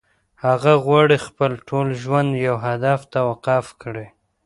هغه غواړي خپل ټول ژوند يو هدف ته وقف کړي.